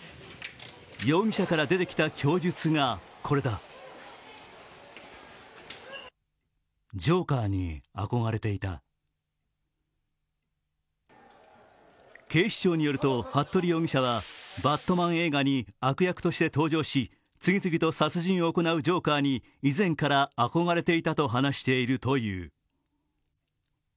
容疑者から出てきた供述が、これだ警視庁によると、服部容疑者は「バットマン」映画に悪役として登場し次々と殺人を行うジョーカーに以前から憧れていたと話しているという。